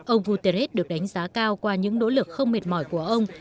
ông guterres được đánh giá cao qua những nỗ lực không mệt mỏi của ông